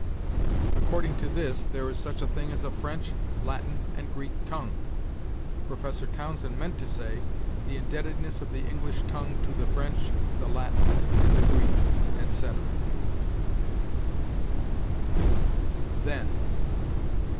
According to this, there is such a thing as a French, Latin and Greek tongue. Professor Townsend meant to say: "The indebtedness of the English tongue to the French, the Latin, and the Greek," etc. THEN.